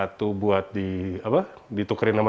satu buat dibikin satu buat ditukerin sama